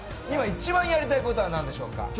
今一番やりたいことは何でしょうか？